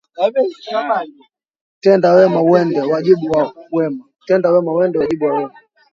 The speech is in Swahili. Tenda wema uende, wajibu kwa wema